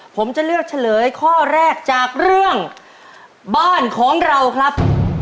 ผมจะเลือกเฉลยข้อแรกจากเรื่องบ้านของเราครับ